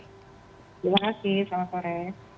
terima kasih selamat sore